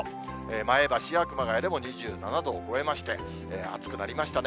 前橋や熊谷でも２７度を超えまして、暑くなりましたね。